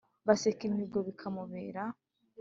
bakesa imihigo bikamubera